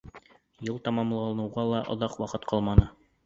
Йыл тамамланыуға ла оҙаҡ ваҡыт ҡалманы.